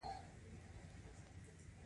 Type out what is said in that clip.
فیوډالي مالکانو په بهرنیو توکو مالیه لګوله.